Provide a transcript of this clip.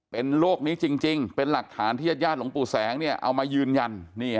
เป็นโรคนี้จริงเป็นหลักฐานที่ญุ่งปู่แสงเนี่ยเอามายืนยัน